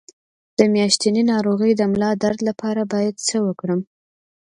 د میاشتنۍ ناروغۍ د ملا درد لپاره باید څه وکړم؟